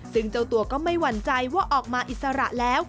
ซึ่งเจ้าตัวก็ไม่หวั่นใจว่าออกมาอิสระแล้ว